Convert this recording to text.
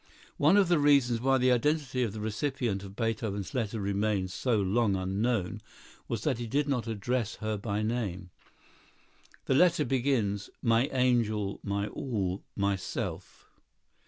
One of the reasons why the identity of the recipient of Beethoven's letter remained so long unknown was that he did not address her by name. The letter begins: "My angel, my all, myself!"